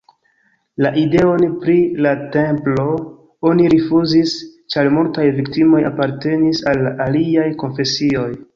La ideon pri la templo oni rifuzis, ĉar multaj viktimoj apartenis al aliaj konfesioj.